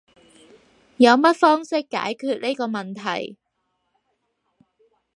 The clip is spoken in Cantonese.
有乜方式解決呢個問題？